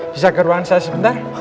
bisa ke ruangan saya sebentar